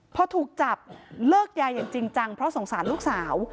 พอถูกจับเลิกยาอย่างจริงจังเพราะสงสารลูกสาว